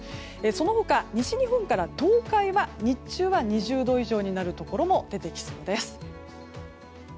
その他、西日本から東海は日中は２０度以上になるところも出てきそうです。